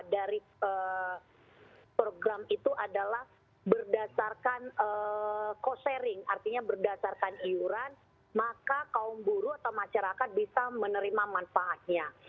dari program itu adalah berdasarkan cost sharing artinya berdasarkan iuran maka kaum buruh atau masyarakat bisa menerima manfaatnya